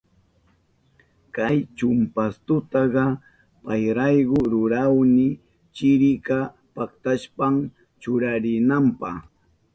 Kay chumpastutaka payraykumi rurahuni, chirika paktashpan churarinanpa.